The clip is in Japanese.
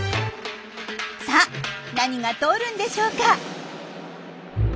さあ何が通るんでしょうか。